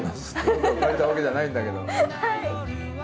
僕は生まれたわけじゃないんだけど。